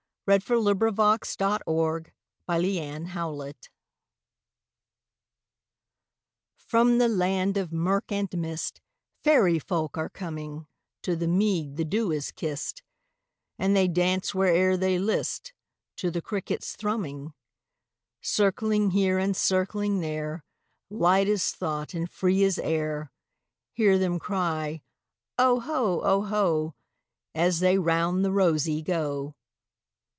1861–1889 A Fairy Glee By Eugene Field (1850–1895) FROM the land of murk and mistFairy folk are comingTo the mead the dew has kissed, And they dance where'er they listTo the cricket's thrumming. Circling here and circling there, Light as thought and free as air, Hear them cry, "Oho, oho,"As they round the rosey go.